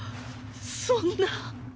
そんな。